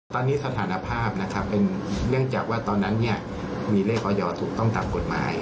ตอนนี้สถานภาพนะครับเป็นเนื่องจากว่าตอนนั้นมีเลขออยถูกต้องตามกฎหมาย